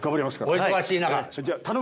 お忙しい中。